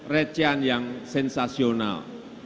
rejian yang sensasional